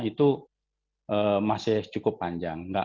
itu masih cukup panjang